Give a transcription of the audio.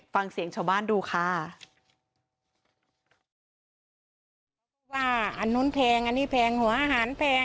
ฟังเสียงชาวบ้านดูค่ะ